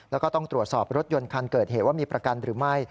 แล้วก็ต้องตรวจสอบรถยนต์คันเกิดเหตุว่ามีประกันหรือไม่